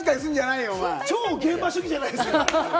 超現場主義じゃないですか！